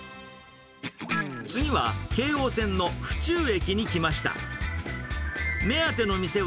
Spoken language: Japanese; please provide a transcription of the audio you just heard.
次は、京王線の府中駅に来ました。